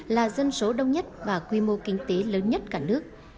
là dân số đông nhất và quy mô kinh tế lớn nhất cả nước